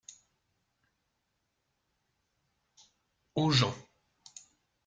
Aux gens.